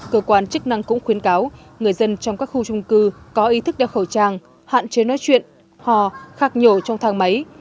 cơ quan chức năng cũng khuyến cáo người dân trong các khu trung cư có ý thức đeo khẩu trang hạn chế nói chuyện hò khạc nhổ trong thang máy